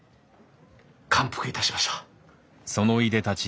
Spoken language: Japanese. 感服いたしました。